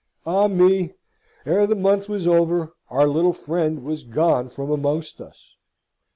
Ah me! Ere the month was over, our little friend was gone from amongst us.